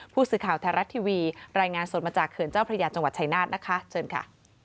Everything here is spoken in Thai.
ผู้สื่อข่าวไทยรัฐทีวีรายงานสดมาจากเขื่อนเจ้าพระยาจังหวัดชายนาฏนะคะเชิญค่ะ